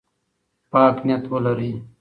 پاک نیت ولرئ.